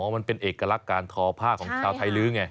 มันเป็นเอกลักษณ์การทอผ้าของชาวไทยลื้อไง